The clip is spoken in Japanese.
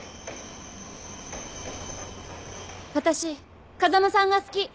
私風間さんが好き。